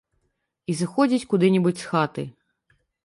І сыходзіць куды-небудзь з хаты.